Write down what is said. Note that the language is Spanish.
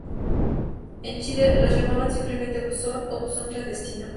En Chile los llamaban simplemente "buzón" o "buzón clandestino".